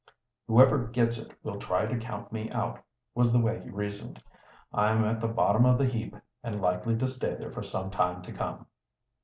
"Whoever gets it will try to count me out," was the way he reasoned. "I'm at the bottom of the heap, and likely to stay there for some time to come."